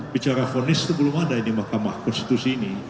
bicara fonis itu belum ada di mahkamah konstitusi ini